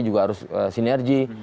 juga harus sinergi